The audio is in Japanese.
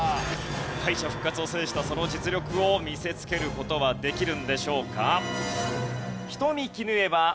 敗者復活を制したその実力を見せつける事はできるんでしょうか？